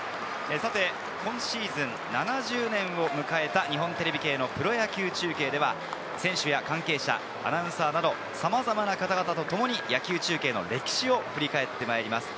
今シーズン７０年を迎えた日本テレビ系のプロ野球中継では選手や関係者、アナウンサーなど、さまざまな方とともに野球中継の歴史を振り返ってまいります。